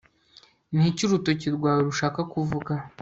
Niki urutoki rwawe rushaka kuvuga